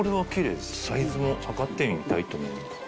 サイズも測ってみたいと思います。